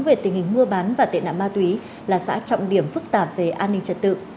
về tình hình mua bán và tệ nạn ma túy là xã trọng điểm phức tạp về an ninh trật tự